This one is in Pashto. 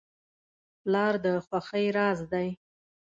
پلار د خوښۍ راز دی.